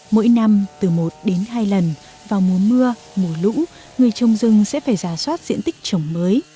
mỗi năm từ một đến hai lần vào mùa mưa mùa lũ người trồng rừng sẽ phải giả soát diện tích trồng mới